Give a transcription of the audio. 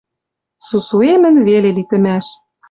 Сусуэмӹн веле литӹмӓш: